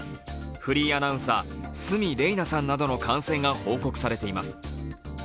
フリーアナウンサー鷲見玲奈さんなどの感染が報告されています。